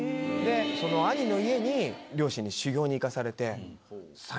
その兄の家に両親に修業に行かされて。